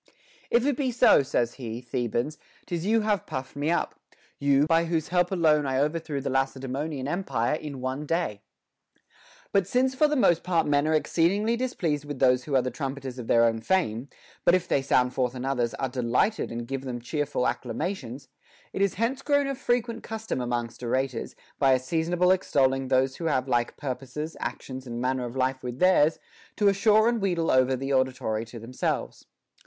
If it be so, says he, Thebans, 'tis you have puffed me up ; you, by whose help alone I overthrew the Lacedaemonian empire in one day. 10. But since for the most part men are exceedingly displeased with those who are the trumpeters of their own fame, but if they sound forth another's, are delighted and give them cheerful acclamations ; it is hence grown a fre quent custom amongst orators, by a seasonable extolling those who have like purposes, actions, and manner of life with theirs, to assure and wheedle over the auditory to themselves.